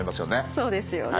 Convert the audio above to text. そうですよね